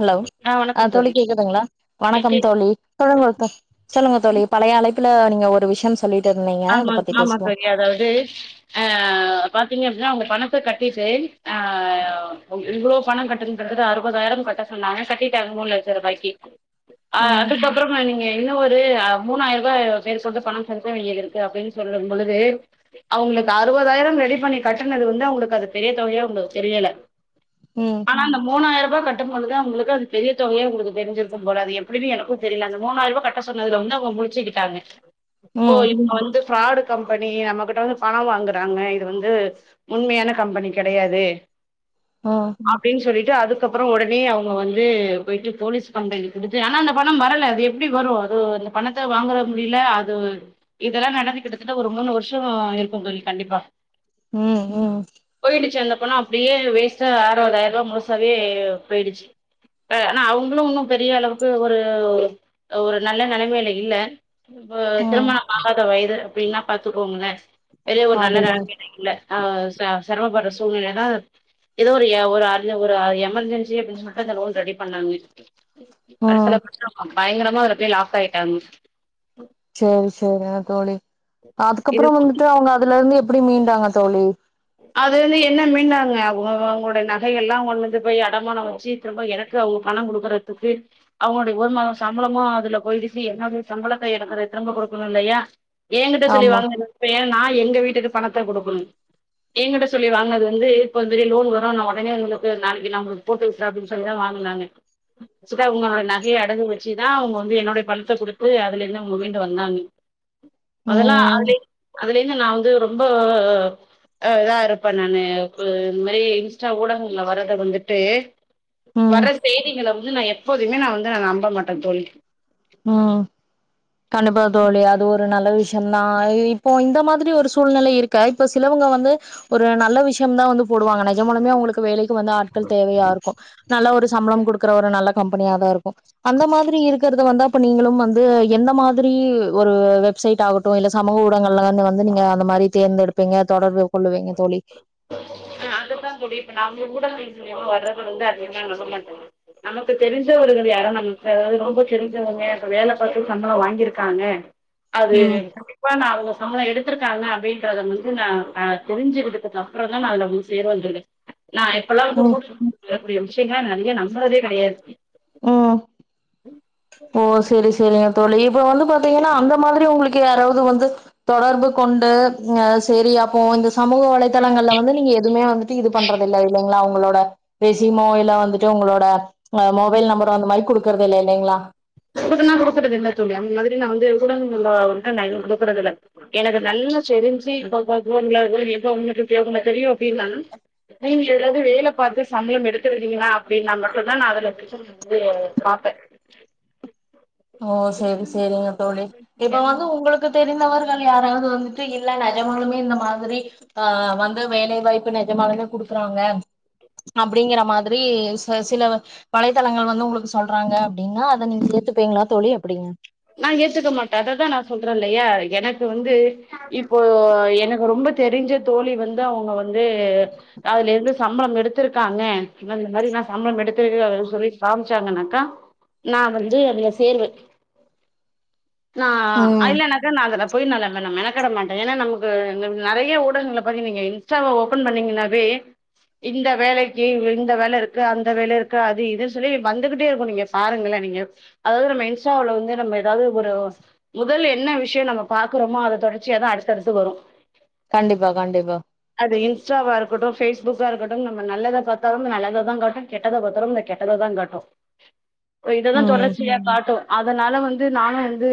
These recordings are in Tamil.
ஹலோ ஆ வணக்கம் ஆஹ் தோழி கேக்குதுங்களா எக்கு வணக்கம் தோழி தொழ சொல்லுங்க தோழி பழைய அழை [unintelligible] நீங்க ஒரு விஷயம் சொல்லிட்டு இருந்தீங்க அத ஆமா பத்தி ஆமா பேசுவோ சரியா அதாவது ஆஹ் பாத்தீங்க அப்டின்னா அவங்க பண கட்டிட்டு ஆஹ் இவ்வளோ பணம் கட்டுதுன்ற அறுபதாயிரம் கட்ட சொன்னாங்க கட்டிட்டு அது மூணு லட்சம் ரூபாய்க்கு அஹ் ம் அதுக்கப்பறமா நீங்க இன்னு ஒரு மூணாயிரம் ரூபா பேர் கொண்டு பணம் செலுத்த வேண்டியது இருக்கு இது அப்டின்னு சொல்லும் பொழுது அவங்களுக்கு அறுபதாயிரம் ரெடி பண்ணி கட்டுனது வந்து அவங்களுக்கு அது பெரிய தொகயா உங்களுக்கு தெரியல ம் ஆனா இந்தந்த மூணாயிரம் கட்டும்போது அவங்களுக்கு அது பெரிய தொகயா உங்களுக்கு தெரி்ஞ்சிருக்கும் போல அது எப்டின்னு எனக்கும் தெரியல அந்த மூணாயிர ரூபா கட்ட சொன்னது வந்து அவங்க முழிச்சுக்கிட்டாங்க ஓ ம் இப்ப வந் ஃப்ராடு கம்பெனி நம்மகிட்ட வந்து பணம் வாங்குறாங்க இது வந்து உண்மையான கம்பெனி கெடயாது ம் அப்டின்னு சொல்லிட்டு அது அதுக்கு அப்புறம் உடனே அவுங்க வந்து போயிட்டு போலீஸ் கம்ப்ளைன் கொடுத்து ஆனா அந்த பணம் வரல அது எப்படி வரும் அதோ அந்த பணத்தை வாங்கற முடியல அது இதெல்லாம் நடந்து கிட்டத்துட்ட ஒரு மூணு வருஷம் இருக்கு தோழி கண்டிப்பா உம் உம் போனா அப்டியே வேஸ்ட்டா அறுவதாயிரம் ரூபா முழுசாவே போயிடுச்சு ஆனா அவங்களும் இன்னும் பெரிய அளவுக்கு ஒரு ஒரு நல்ல நிலைமையில இல்ல இப்போ ம் திருமணம் [unintelligible] வயது அப்படின்னா பாத்துக்கோங்களேன் பெரிய ஒரு நல்ல அதுதா நெலமைல இல்ல ஆஹ் செரமப்படுற சூழ்நிலைதான் ஏதோ ஒரு ஒரு ஒரு எமர்ஜென்சி அப்டினு சொல்லிட்டு அந்த லோன் ரெடி பண்ணாங்க ஒரு சில ம் [unintelligible] பயங்கரமா அதுல போய் லாக் ஆயிட்டாங்க [unintelligible] செரிங்க தோலி இது அதுக்கப்புறம் வந்துட்டு அவங்க அதுல இருந்து எப்டி மீண்டாங்க தோலி அதிலிருந்து என்ன மீண்டாங்க அவங்க அவங்களோடைய நகை எல்லாம் ஒன்னுத்த போய் அடமானம் வச்சு திரும்ப எனக்கு அவங்க பணம் கொடுக்குறதுக்கு அவங்களுடைய ஒரு மாதம் சம்பளமும் அதுல போயி்டுச்சு என்னோட சம்பளத்தை எனக்கு திரும்ப கொடுக்கணும் இல்லையா என்கிட்ட ஆமா சொல்லிவாங்குன நகையை நான் எங்க வீட்டுக்கு பணத் [unintelligible] கொடுக்கணும் என்கிட்ட சொல்லி வாங்குனது வந்து இப்ப வந்து லோன் வரும் நா உடனே உங்களுக்கு நாளைக்கு நான் உங்களுக்கு போட்டு விடுறே அப்படின் சொல்லித வாங்கினாங்க [unintelligible] உன்னோடைய நகையை அடகு வச்சுதான் அவங்க வந்து என்னோடைய பணத்தை கொடுத்து அதுல இருந்து அவங்க மீண்டு வந்தாங்க அதெல்லாம அதுல ம் அதிலிருந்து நான் வந்து ரொம்போ ஹ இதான் இருப்பேன் நானு இந்த மாதிரி இன்ஸ்டா ஊடகங்கள்ல வர்றதை வந்துட்டு ம் வர்ற செய்திகள வந்து நா எப் எப்போதுமே நான் வந்து நான் நம்ப மாட்ட தோழி உம் கண்டிப்பா தோலி அது ஒரு நல்ல விஷயம்தான் இப்போ இந்த மாதிரி ஒரு சூழ்நிலை இருக்க இப்ப சிலவங்க வந்து ஒரு நல்ல விஷயம்தான் வந்து போடுவாங்க நிஜமாலுமே அவங்களுக்கு வேலைக்கு [unintelligible] வந்து ஆட்கள் தேவையா இருக்கு நல்ல ஒரு சம்பளம் கொடுக்குற ஒரு நல்ல கம்பெனியா தா இருக்கும் அந்த மாதிரி இருக்கறத வந்தா இப்ப நீங்களும் வந்து எந்த மாதிரி ஒரு வெப்சைட் ஆகட்டும் இல்ல சமூக ஊடங்கள்லாம் வந்து நீங்க அந்த மாதிரி தேர்ந்தெடுப்பீங்க தொடர்பு கொள்ளுவீங்க தோலி ஹ அதுதான் தோலி இப்ப நம்ம ஊடகத்தின் மூலைமா வர்றது வந்து அதிகமா நம்ப மாட்டேங்க நமக்கு தெரிஞ்சவர்கள் யாரும் நமக்கு அதாவது ரொம்ப தெரிஞ்சவங்க இப்ப வேலை பார்த்த சம்பளம் வாங்கியிருக்காங்க அது ம் கண்டிப்பா நா அவங்க நம்மள எடுத்திருக்காங்க அப்படின்றத வந்து நா-நா தெரிஞ்சுகிறதுக் அப் அப்புறம் தான் ந அதல்ல சேர வந்துறக்க நா இப்பெல்லாம் ம் வந்து [inaudible] வரக்கூடிய விஷயங்கள நறைய நம்புறதே கிடையாது உம் ஓ செரி-செரிங்க தோலி இப்ப வந்து பாத்தீங்கன்னா அந்த மாதிரி உங்களுக்கு யாராவது வந்து தொடர்பு கொண்டு அஹ் செரி அப்போ இந்த சமூக வலைதளங்கள்ல வந்து நீங்க எதுவுமே வந் தி இது பண்றதுல்ல இல்லைங்களா அவ் உங்களோட பெசிமோயில வந்துட்டு உங்களோட மோ மொபைல் நம்பர் அந்த மாரி கொடுக்குறதே இல்ல இல்லலைங்களா [unintelligible] கொடுக்குறது இல்லனு சொல்லு அந்த மாதிரி நான் வந்து [unintelligible] நக கொடுக்குறது இல எனக்கு நல்லா தெரிஞ்சு [inaudible] எப்ப உங்களுக்கு உபயோகம் தெரியும் அப்படின்னா நீங்க ஏதாவது வேலை பார்த்து சம்பளம் எடுத்து விட்றிங்கனா அப்படின்னா மட்டும் தான் நான் அதுல [unintelligible] வந்து பாபேன் [inaudible] ஓ சேரி செரிங்க தோழி இப்ப பாப்பேன். வந்து உங்களுக்கு தெரிந்தவர்கள் யாராவது வந்து இல்ல நெஜமாளுமே இந்த மாதிரி ஆஹ் வந்த வேலைவாய்ப் இப்ப நெஜமாளுமே குடுக்குறாங்க அப்டிங்குறா மாதிரி சில வலைதளங்கள் வந்து உங்களுக்கு சொல்றாங்க அப்டின்னா அத நீங்க எத்துப்பீங்களா தோழி அப்புடிங்க நா ஏத்துக்க மாட்டே அததா நா சொல்றேயில்லையா எனக்கு வந்து இப்போ எனக்கு ரொம்ப தெரிஞ்ச தோழி வந்து அவங்க வந்து அதுலயிருந்து சம்பளம் எடுத்துருக்காங்க அந்த மாதிரி நா சம்பளம் எடுத்திருக்கு அப்டின்னு சொல்லி காமிச்சாங்கன்னாக்கா நா வந்து அதுல சேர்வே நா ம் ஐல்லனாக்கா நா அதுல போயி நானு மெனக்கெட மாட்டே ஏன்னா நமக்கு நெறைய ஊடகங்கள போயி நீங்க இன்ஸ்டாவ ஓபன் பண்ணீங்கனாவே இந்த வேலைக்கு இந்த வேலயிருக்கு அந்த வேலயிருக்கு அது இது சொல்லி வந்துகுட்டேயிருக்கோ நீங்க பாருங்களே நீங்க அதாவது நம்ம இன்ஸ்டாவுல வந்து நம்ம எதாவது ஒரு முதல் என்ன விஷியோ நம்ம பாக்குறோமோ அத தொடர்ச்சியாதா அடுத்தடுத்து வரும் கண்டிப்பா கண்டிப்பா இன்ஸ்டாவாயிருக்கட்டும் ஃபேஸ்புக்காயிருக்கட்டும் நம்ம நல்லதா பாத்தாலும் நல்லததா காட்டோ கெட்டத பத்தாலும் இந்த கெட்டததா காட்டும் இப்ப இதுதா ம் தொடர்ச்சியா காட்டும் அதனால வந்து நானோ வந்து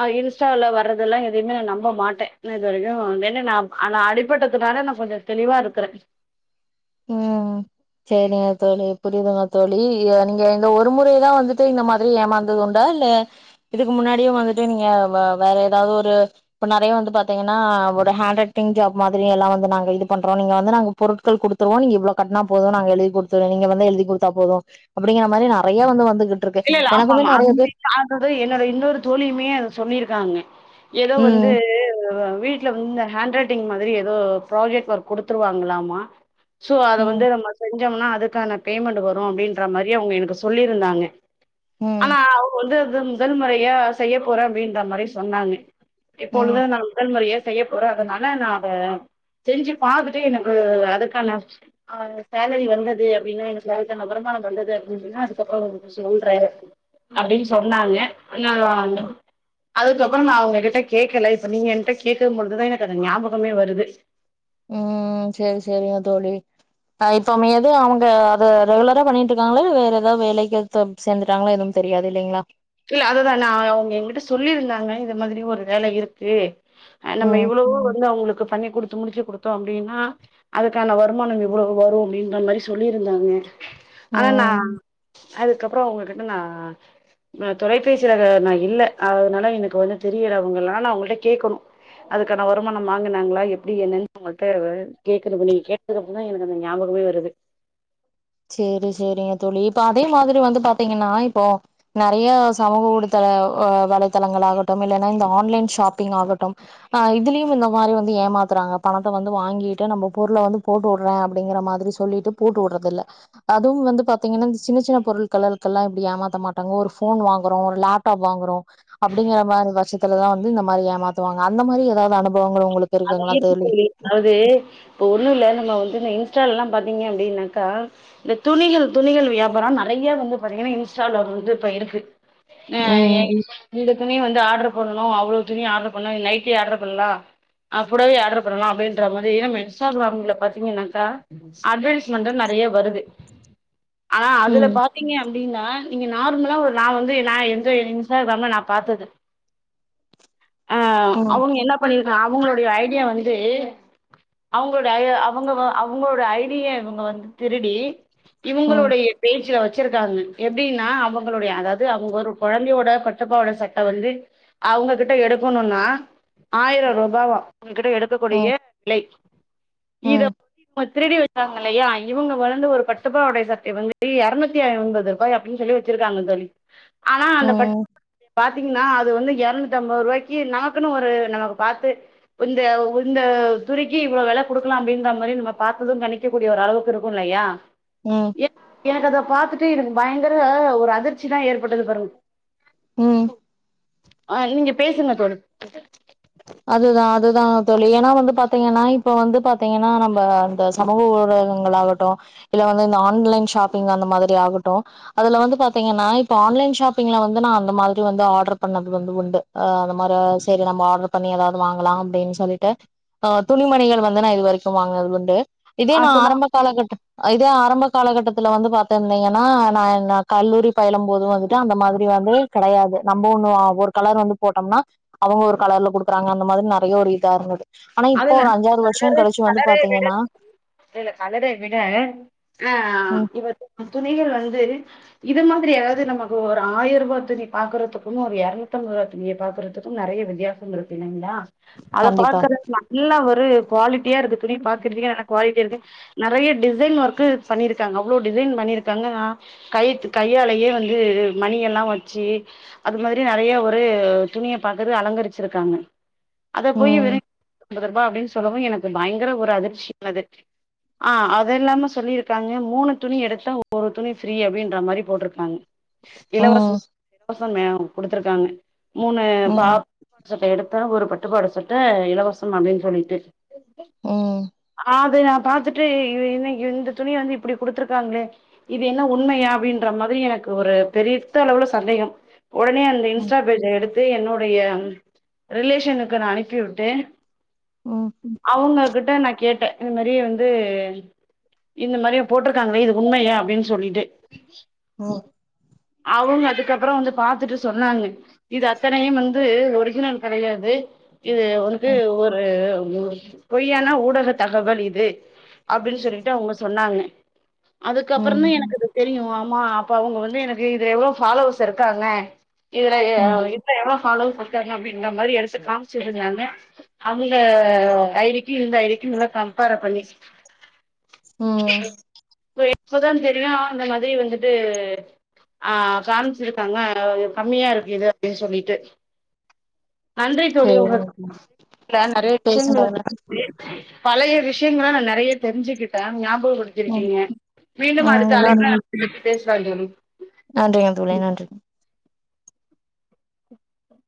அஹ் இன்ஸ்டால வர்றதெல்லா எதையுமே நா நம்ப மாட்டே இது வரைக்கோ என்ன நா அடி அடிப்பட்டத்துனால நா கொஞ்சோ தெளிவாயிருக்குறே உம் சேரிங்க தோழி புரியுதுங்களா தோழி நீங்க இந்த ஒரு முறைதா வந்துட்டு இந்த மாதிரி ஏமாந்தது உண்டா இல்ல இதுக்கு முன்னாடியோ வந்துட்டு நீங்க வேற ஏதாவது ஒரு இப்ப நெறைய வந்து பாத்தீங்கன்னா ஒரு ஹாண்ட் ரைட்டிங் ஜாப் மாதிரியெல்லா வந்து நாங்க இது பண்றோ நீங்க வந்து நாங்க பொருட்கள் குடுத் தோ நீங்க இவ்ளோ கட்டுனா போதோ நாங்க எழுதி கொடுத்துடுவோ நீங்க வந்து எழுதி கொடுத்தா போதும் அப்டிங்குறா மாதிரி நெறைய வந்து வந்துட்டு இல்லயில்ல ஆமா ஆமாம்மா அது என்னோட இன்னோரு தோழியுமே அத சொல்லியிருக்காங்க ஏதோ ம் வந்து வீட்ல வந்து இந்த ஹாண்ரட்டிங் மா திரி எதோ ப்ராஜெக்ட் ஒர்க் குடுத்துருவாங்களாமா சோ அத வந்து ம் நம்ம செஞ் டோம்னா அதுக்கான பேமெண்ட் வரோ அப்டின்ற மாதிரி அவங்க எனக்கு சொல்லியிருந்தாங்க ம் ஆனா அவங்க வந்து முதல் முறையா செய்ய போறே அப்டின்ற மாதிரி சொன்னாங்க இப்பொழுது ம் நா முதல் முறையா செய்ய போறே அதனால நா அத செஞ்சு பாத்துட்டு எனக்கு அதுக்கான அ சேலரி வந்தது அப்டின்னா எனக்கு வருமானோ வந்தது அப்டின்னா அதுக்கப்புறோ சொல்றே அப்டின்னு சொன்னாங்க [unintelligible] அதுக்கப்புறோ நா அவங்ககிட்ட கேக்கல இப்ப நீங்க என்ட கேக்கோ பொழுதுதா எனக்கு அது ஞாபகமே வருது உம் சேரி செரிங்க தோழி அ இப்ப ஏது அவங்க அத ரெகுலரா பண்ணிட்டுயிருக்காங்களா இல்ல வேற எதாவது வேலைக்கு சேர்ந்துட்டாங்களா எதுவோ தெரியாதுயில்லங்களா இல்ல அதுதானா அவங்க என்கிட்ட சொல்லியிருந்தாங்க இது மாதிரி ஒரு வேல இருக்கு நம்ம ம் இவ்ளோவோ வந்து அவங்களுக்கு பண்ணி குடுத்து முடிச்சு குடுத்தோ அப்டின்னா அதுக்கான வருமானோ இவ்ளோவு வரோ அப்டின்றா மாதிரி சொல்லியிருந்தாங்க ஆனா நா ம் அதுக்கப்பறோ உங்களுக்கு க்குன்னா தொலைபேசியில நான இல்ல அதனால எனக்கு வந்து தெரியிறவங்கல்லாம் நான் அவங்கள்ட்ட கேட்கணும் அதுக்கான வருமானம் வாங்கினாங்களா எப்டி என்னன்னு அவங்கள்ட கேக்குதும் நீங்க கேட்டதுக்கு அப்புற தான் எனக்கு அந்த ஞாபகமே வருது செரி செரிங்க தோழி இப்ப அதே மாரி வந்து பாத்தீங்கன்னா இப்போ நெறைய சமூக ஊடத்தல வலைத்தளங்கள் ஆகட்டும் இல்ன்னா இந்த ஆன்லைன் ஷாப்பிங் ஆகட்டும் ஆ இதுலயும் இந்த மாரி வந்து ஏமாத்துறாங்க பணத்த வந்து வாங்கிட்டு நம்ம பொருள வந்து போட்டு விடுறேன் அப்டிங்கற மாரி சொல்லிட்டு போட்டு விடுறதுல்ல அதுவும் வந்து பாத்தீங்கன்னா இந்த சின்ன சின்ன பொருட்கல்கள்ல்லாம் இப்படி ஏமாத்த மாட்டாங்க ஒரு போன் வாங்குறோம் ஒரு லேப்டாப் வாங்குறோம் அப்டிங்கிற மாரி வருஷத்துலதான் வந்து இந்த மாரி ஏமாத்துவாங்க அந்த மாரி ஏதாவது அனுப்ப அதே இருக்கு சொல்லி அதாவது இப்ப ஒன்னும் இல்ல நம்ம வந்து இந்த இன்ஸ்டால்ல்லாம் பாத்தீங்க அப்டின்னாக்கா இந்த துணிகள் துணிகள் வியாபாரம் நெறைய வந்து பாத்தீங்கன்னா இன்ஸ்டால வந்து இப்ப இருக்கு ம் [unintelligible] இதுக்குனே வந்து ஆர்டரு ஆபுனும் அவ்வளவு துணி ஆர்டர் பண்ண நைட்டே ஆர்டர் பண்ணலாம் அ புடவே ஆர்டர் பண்ணலாம் அப்டின்ற மாரி நம்ம இன்ஸ்டாகிராம்ல பாத்தீங்கன்னாக்கா அட்வர்டஸ்மெண்ட் நெறைய வருது ஆனால் அதில் ம் பாத்தீங்க அப்டின்னா நீங்க நார்மலா ஒரு நான் வந்து ந எந்த ஒரு இன்ஸ்டாபிரம்மலா நான் பத்தது ஆ ம் அவங்க என்ன பண்ணிரு அவங்களுடைய ஐடியா வந்து அவங்களுடைய அவங்க அவங்கோடைய ஐடிய இவங்க வந்து திருடி ம் இவங்களுடைய பேஜ்ல வச்சு இருக்காங்க எப்டின்னா அவங்களுடைய அதாவது அவங்க ஒரு கெழந்தையோட பட்டுப்பாட சட்ட வந்து அவங்க கிட்ட எடுக்கணும்னா ஆயிரம் ரூபாய பாவா அவககிட்ட எடுக்கக்கூடிய ம் விலை ம் [unintelligible] திருடி வெச்ச இல்லயா இங்க வந்து ஒரு பட்டுப்பா உடைய சட்டை வந்து இ இருநூத்தி ஒன்ம்பது ரூபாய் அப்டின்னு சொல்லி வச்சிருக்காங்க சொல்லி ஆனா ம் அந்த பட்டு ம் பாத்தீங்கன்னா அது வந்து அறுநூத்தி ஐம்பது ரூபாய்க்கு நமக்குன்னு ஒரு நமக்கு பா்த்து இந்த இந்த துணிக்கு இவ்வளவு விலை கொடுக்கலாம் அப்டின்ற மாரி நம்ம பாத்ததும் கணிக்கக்க கூடிய ஒரு அளவுக்கு இருக்கும் இல்லயா ம் எ எனக்கு அத பாத்துட்டே இருக்கும் பயங்கர ஒரு அதிர்ச்சி தான் ஏற்பட்டது பருக உம் ஆ நீங்க பேசுங்க தோ அதுதான் அதுதான் தோழி ஏன்னா வந்து பாத்தீங்கன்னா இப்ப வந்து பாத்தீங்கன்னா நம்ம இந்த சமூக ஊடகங்கள் ஆகட்டும் இல்ல வந்து இந்த ஆன்லைன் ஷாப்பிங் அந்த மாரி ஆகட்டும் அதுல வந்து பாத்தீங்கன்னா இப்ப ஆன்லைன் ஷாப்பிங்ல வந்து நான் அந்த மாரி வந்து ஆர்டர் பண்ணது வந்து உண்டு ஹ் அந்த மாரி செரி நம்ம ஆர்டர் பண்ணி ஏதாவது வாங்கலாம் அப்டின்னு சொல்லிட்டு ஆ துணிமணிகள் வந்து நா இது வரைக்கும் வாங்கினது உண்டு இதே ஆ நான் சொல்லுங்க ஆரம்ப காலகட்ட இதே ஆரம்ப காலகட்டத்துல வந்து பாத்திருந்தீங்கன்னா நான கல்லூரி பயிலும் போதும் வந்துட்டு அந்த மாரி வந்து கெடையாது நம்ம ஒண்ணு் ஒரு கலர் வந்து போட்டோம்னா அவங்க ஒரு கலர்ல கொடு அறங்க அந்த மாிரிநெறைய ஒரு இதா இருந்தது இப்போ அதுல்ல ஒரு அஞ்சாறு வருஷோ கலறு கழிச்சு வந்து கலற விட பாத்தீங்கன்னா இல்ல கலற விட ஆ ம் இவ துணிகள் வந்து இதமாரி ஏதாவது நம்மகு ஒரு ஆயிரூபா துணி பாக்கறதுக்கும் ஒரு இரநூத்தஐம்பது ரூபா துணியை பாக்கறதுக்கும் நெறைய வித்தியாசம் இருக்கு இல்லங்களா அத கண்டிப்பா பார்கற நல்லா ஒரு குவாலிட்டியா இருக்கு துணிய பாக்கறதுக்க நல்ல குவாலிட்டி இருக்கு நெறைய டிசைன் ஒர்க்க பண்ணிருக்காங்க அவ்வளவு டிசைன் பண்ணிருக்காங்க கைத்து கையாலயே வந்து மணி எல்லாம் வச்சு அது மாரி நெறைய ஒரு துணிய பாக்குறது அலங்கரிச்சிருக்காங்க அத போய் வெ ம் அம்பது ரூபா அப்டின்னு சொல்லவு எனக்கு பயங்கர ஒரு அதிர்ச்சியானது ஆ அது இல்லாம சொல்லியிருக்காங்க மூணு துணி எடுத்தா ஒரு துணி ஃப்ரீ அப்டின்ற மாரி போட்டிருக்காங் ம் [unintelligible] குடுத்துருக்காங்க மூணு ம் பாப் சட்ட எடுத்த ஒரு பட்டுப்பாவாட சட்ட இலவசம் ம் அப்டின்னு சொல்லிட்டு ம் அது நா பாத்துட்டு இன்னைக்கு இந்த துணி வந்து இப்டி குடுத்துருக்காங்களே இது என்ன உண்மயா அப்டின்ற மாரி எனக்கு ஒரு பெரித்த அளவுல சந்தேகம் உடனே அந்த ம் இன்ஸ்டா பேஜ எடுத் து என்னுடைய ரிலேஷனுக்கு நா அனுப்பி விட்டு ம் அவுங்க கிட் ட நா கேட்டேன் இந்த மாரியே வந்து இந்த மாரிய போட்டிருக்காங்களே இது உண்மயா அப்டின்னு சொல்லிட்டு ம் அவுங்க அதுக்கப் அப்பறம் வந்து பாத்துட்டு சொன்னாங்க இது அத்தனையும் வந்து ஒரிஜினல் கெடையாது இது உனக்கு ம் ஒரு பொய்யான ஊடக தகவல் இது அப்டின்னு சொல்லிட்டு அவங்க சொன்னாங்க அதுக்க ம் அப்பறம்தான் எனக்கு அது தெரியும் ஆமா அப்ப அவுங்க வந்து எனக்கு இதுல எவ்ளோ ஃபாலோவர்ஸ் இருக்காங்க [inaudible] ம் எவ்வளவு அளவு [unintelligible] இந்த மாரி எடுத்து காமிச்சிருந்தாங்க இந்த ஐடி கி இந்த ஐடிக்கி [unintelligible] கம்பார பண்ணி ம் இப்தான் தெரியும் அ இந்த மாரி வந்துட்டு ஆ காமிச்சிருக்காங்க கம்மியா இருக்கு இது அப்டின்னு சொல்லிட்டு செரி டான் நெறைய விஷயங்கள் [unintelligible] பலைய விஷயங்களா நா நெறைய தெரிஞ்சுக்கிட்டேன் ஞாப [inaudible] ம் கொடுத்துருக்கீங்க மீண்டும் ம் அடுத்த இன்னொரு [unintelligible] பேசலா [unintelligible] நன்றிங்க தோழி நன்றி